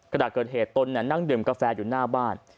ขณะเกิดเหตุตนนั่งดื่มกาแฟอยู่หน้าบ้าน